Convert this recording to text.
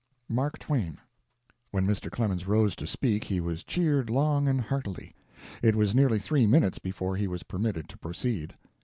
] MARK TWAIN. When Mr. Clemens rose to speak he was cheered loud and heartily. It was nearly three minutes before he was permitted to proceed.